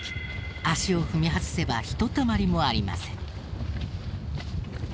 足を踏み外せばひとたまりもありません。